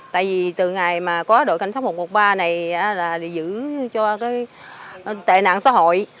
tại vì từ ngày mà có đội cảnh sát một một ba này là để giữ cho tệ nạn xã hội